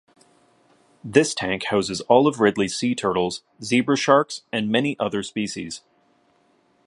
This tank houses olive ridley sea turtles, zebra sharks, and many other species.